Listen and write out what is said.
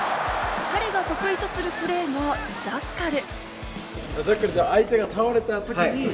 彼が得意とするプレーがジャッカル。